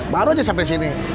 baru aja sampai sini